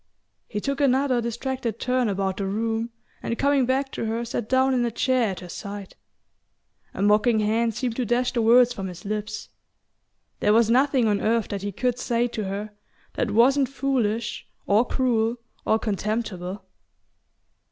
He took another distracted turn about the room and coming back to her sat down in a chair at her side. A mocking hand seemed to dash the words from his lips. There was nothing on earth that he could say to her that wasn't foolish or cruel or contemptible...